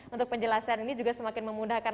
untuk penjelasan ini juga semakin memudahkan